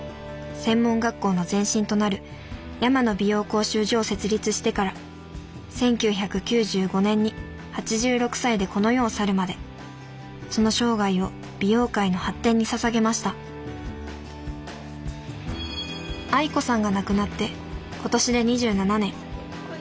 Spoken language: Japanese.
専門学校の前身となる山野美容講習所を設立してから１９９５年に８６歳でこの世を去るまでその生涯を美容界の発展にささげました愛子さんが亡くなって今年で２７年。